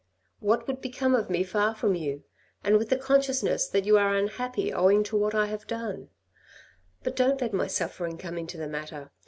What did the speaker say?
What would become of me far from you, and with the consciousness that you are unhappy owing to what I have done ? But don't let my suffering come into the matter.